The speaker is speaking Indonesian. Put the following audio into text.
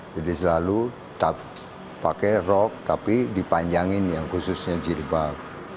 jadi selalu pakai rok tapi dipanjangin yang khususnya jiribak